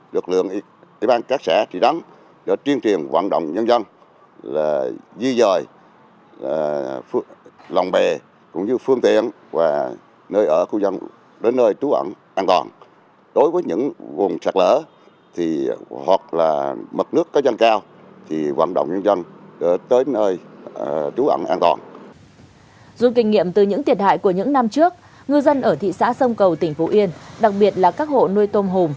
dù kinh nghiệm từ những tiệt hại của những năm trước ngư dân ở thị xã sông cầu tỉnh phú yên đặc biệt là các hộ nuôi tôm hùm